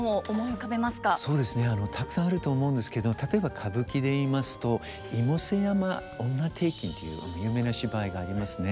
そうですねたくさんあると思うんですけど例えば歌舞伎でいいますと「妹背山婦女庭訓」というあの有名な芝居がありますね。